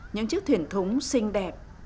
những chiếc thuyền thống xinh đẹp